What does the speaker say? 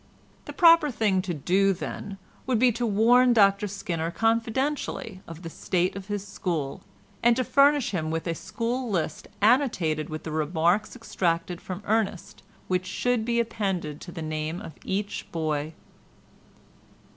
The proper thing to do, then, would be to warn Dr Skinner confidentially of the state of his school, and to furnish him with a school list annotated with the remarks extracted from Ernest, which should be appended to the name of each boy.